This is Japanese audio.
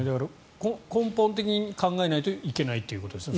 根本的に考えないといけないということですよね。